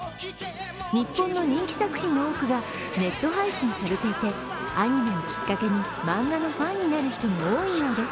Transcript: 日本の人気作品の多くがネット配信されていて、アニメをきっかけに漫画のファンになる人も多いのです。